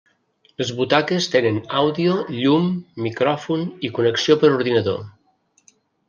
Les butaques tenen àudio, llum, micròfon i connexió per ordinador.